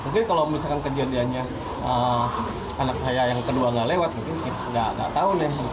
mungkin kalau misalkan kejadiannya anak saya yang kedua nggak lewat mungkin nggak tahu deh